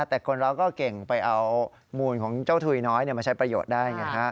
แต่คนเราก็เก่งไปเอามูลของเจ้าถุยน้อยมาใช้ประโยชน์ได้ไงฮะ